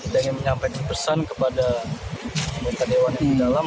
dengan menyampaikan sebesar kepada pemerintah dewan yang di dalam